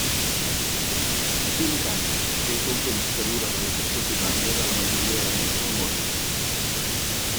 Cinc anys, que és el temps que dura l'educació primària de la majoria de nens del món.